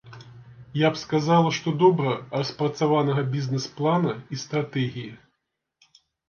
Я б сказала, што добра распрацаванага бізнэс-плана і стратэгіі.